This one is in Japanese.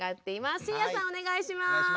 お願いします。